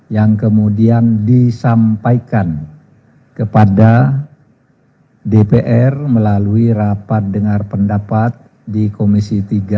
yang kemudian disampaikan kepada dpr melalui rapat dengar pendapat di komisi tiga